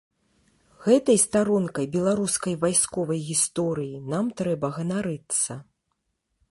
Гэтай старонкай беларускай вайсковай гісторыі нам трэба ганарыцца.